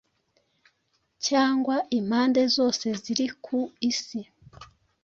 Cyangwa impande zose ziri ku isi,